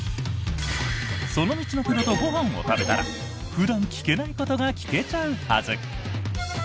その道のプロとご飯を食べたら普段聞けないことが聞けちゃうはず。